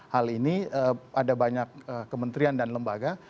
hal ini ada banyak kementerian dan lembaga